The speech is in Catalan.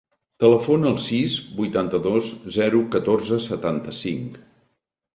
Telefona al sis, vuitanta-dos, zero, catorze, setanta-cinc.